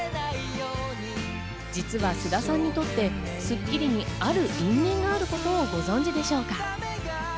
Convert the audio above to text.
実は菅田さんにとって『スッキリ』にある因縁があることをご存知でしょうか。